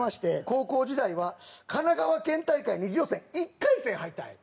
高校時代は神奈川県大会２次予選１回戦敗退。